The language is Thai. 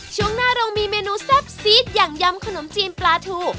ช่วงหน้าเรามีเมนูแซ่บซีดอย่างยำขนมจีนปลาทู